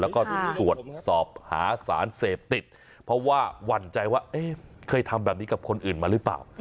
แล้วก็ตรวจสอบหาสารเสพติดเพราะว่าหวั่นใจว่าเคยทำแบบนี้กับคนอื่นมาหรือเปล่า